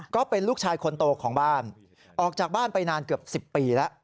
ก็เป็นลูกชายคนโตของบ้านออกจากบ้านไปนานเกือบ๑๐ปีแล้ว